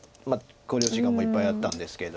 考慮時間もいっぱいあったんですけど。